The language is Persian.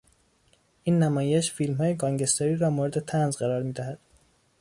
این نمایش فیلمهای گانگستری را مورد طنز قرار میدهد.